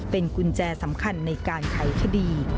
เป็นกุญแจสำคัญในการไขคดี